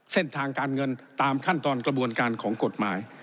เส้นทางการเงินตามขั้นตอนกระบวนการของกฎหมาย